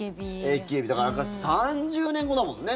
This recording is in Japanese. だから３０年後だもんね。